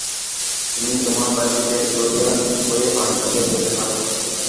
তুমি তোমার ভাইটিকে লইয়া নির্ভয়ে বাড়ি ফিরিয়া যাইতে পারো।